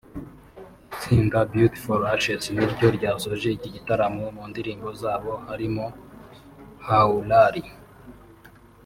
Itsinda Beauty For Ashes niryo ryasoje iki gitaramo mu ndirimbo zabo zirimo Haulali